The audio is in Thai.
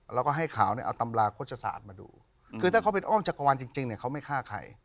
แล้วก็ให้ขาวเนี่ยเอาตำราโฆษศาสตร์มาดูคือถ้าเขาเป็นอ้อมจักรวาลจริงเนี่ยเขาไม่ฆ่าใคร